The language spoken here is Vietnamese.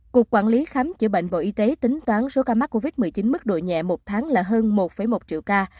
cục quản lý khám chữa bệnh bộ y tế tính toán số ca mắc covid một mươi chín mức độ nhẹ một tháng là hơn một một triệu ca